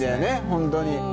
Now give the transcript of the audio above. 本当に。